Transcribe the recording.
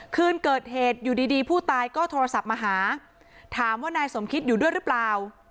คืนเกิดเหตุอยู่ดีผู้ตายก็โทรศัพท์มาหาถามว่านายสมคิดอยู่ด้วยหรือเปล่า